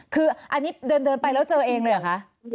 คืออันนี้เดินไปแล้วเจอเองเลยเหรอคะ